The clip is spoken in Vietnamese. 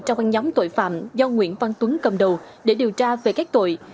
trong băng nhóm tội phạm do nguyễn văn tuấn cầm đầu để điều tra về các tội